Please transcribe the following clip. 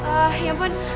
eh ya ampun